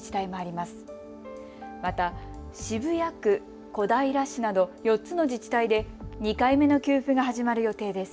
また、渋谷区、小平市など４つの自治体で２回目の給付が始まる予定です。